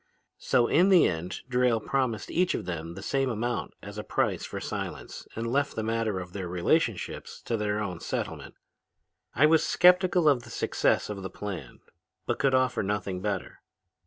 "So in the end Drayle promised each of them the same amount as a price for silence and left the matter of their relationships to their own settlement. "I was skeptical of the success of the plan but could offer nothing better.